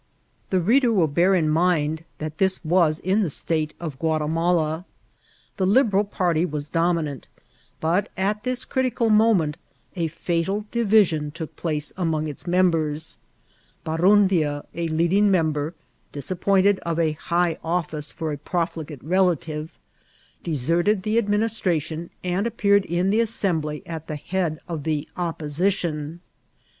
The reader will boar in mind that this was in the OISSBNSIONS IK CENTRAL IMSRICl. M7 State of GiwitimalR. The Liberal party was dommant, but at this critieal moment a &tal diTiaon took place among its members ; Banmdia, a leading memb^, dis appointed of a high office (ot a profligate refetivey de* serted the administration, and appeared in the Assembly at the head of the opposition.